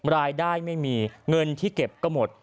รายได้ไม่มีเงินที่เก็บก็หมด